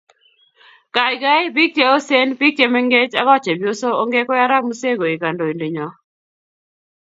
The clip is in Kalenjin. Gaigai, biik cheyosen, biik chemengech ago chepyosok, ongekwei arap muzee koek kandoindenyo